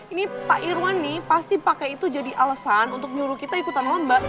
ini pak irwan nih pasti pakai itu jadi alasan untuk nyuruh kita ikutan lomba